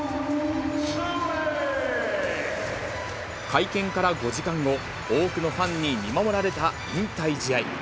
会見から５時間後、多くのファンに見守られた引退試合。